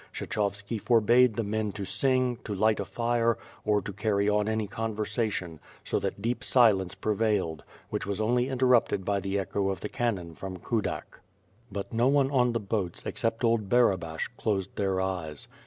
Kshechovski forbade the men to sing, to light a fire, or to carry on any conversation, so that deep silence prevailed, which was only interrupted by the echo of the canon from Kudak. But no one on the* boats, except old Barabash, closed their eyes.